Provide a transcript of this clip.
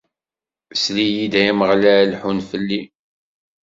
Sel-iyi-d, ay Ameɣlal, ḥunn fell-i!